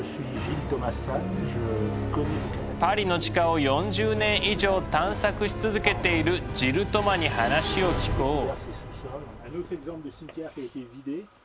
パリの地下を４０年以上探索し続けているジル・トマに話を聞こう。